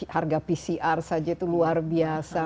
harga pcr saja itu luar biasa